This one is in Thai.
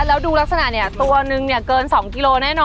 แล้วดูลักษณะเนี่ยตัวนึงเนี่ยเกิน๒กิโลแน่นอน